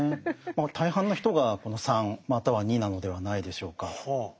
大半の人がこの３または２なのではないでしょうか。